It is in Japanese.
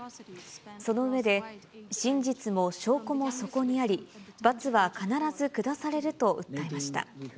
その上で、真実も証拠もそこにあり、罰は必ず下されると訴えました。